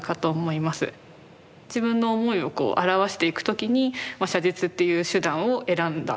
自分の思いをこう表していく時に写実っていう手段を選んだ。